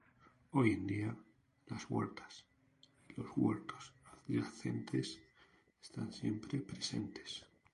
Hoy en día, las huertas y los huertos adyacentes están siempre presentes.